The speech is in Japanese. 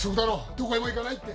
どこへも行かないって・